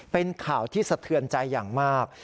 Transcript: เป็นข่าวที่สะเทือนใจอย่างมาก